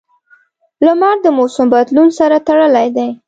• لمر د موسم بدلون سره تړلی دی.